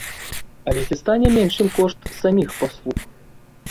Але ці стане меншым кошт саміх паслуг?